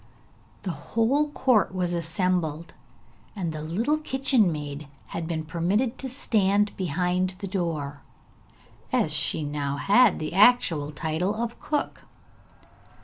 The whole court was assembled, and the little kitchen maid had been permitted to stand behind the door, as she now had the actual title of cook.